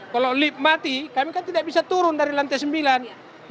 kalau lift mati kami kan tidak bisa turun dari lantai sembilan